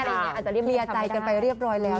อาจจะเคลียร์ใจกันไปเรียบร้อยแล้ว